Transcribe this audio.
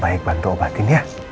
baik bantu obatin ya